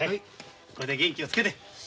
これで元気をつけて。